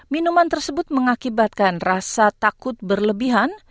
minuman tersebut mengakibatkan rasa takut berlebihan